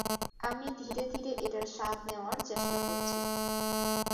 আমি ধীরে ধীরে এটার স্বাদ নেওয়ার চেষ্টা করছি।